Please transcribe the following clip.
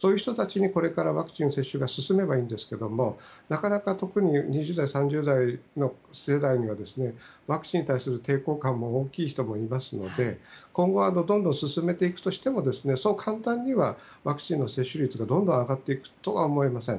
２０代から５０代の方が今、感染者の８割くらいを占めておりますのでそういう人たちにこれからワクチン接種が進めばいいんですがなかなか、特に２０代、３０代の世代にはワクチンに対する抵抗感も大きい人もいますので今後はどんどん進めていくとしてもそう簡単にはワクチンの接種率が上がっていくとは思えません。